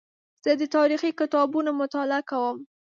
زه د تاریخي کتابونو مطالعه کوم.